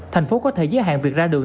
thành phố có thể giới hạn việc ra đường